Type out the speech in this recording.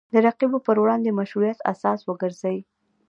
د رقیبو پر وړاندې مشروعیت اساس وګرځي